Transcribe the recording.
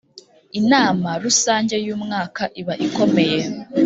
inama rusange y’ umwaka iba ikomeye.